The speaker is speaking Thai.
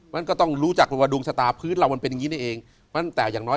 แม้ต้องรู้จักดูงชะตาพื้นเรามันเป็นนี้เนี่ยเอง